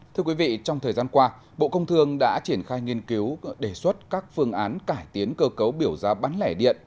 thưa quý vị trong thời gian qua bộ công thương đã triển khai nghiên cứu đề xuất các phương án cải tiến cơ cấu biểu giá bán lẻ điện